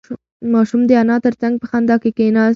ماشوم د انا تر څنگ په خندا کې کېناست.